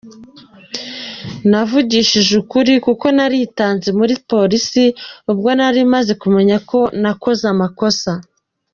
Navugishije ukuri kuko nanitanze kuri polisi ubwo nari maze kumenya ko nakoze amakosa.